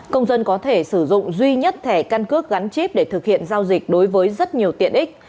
công dân có thể sử dụng duy nhất thẻ căn cước gắn chip để thực hiện giao dịch đối với rất nhiều tiện ích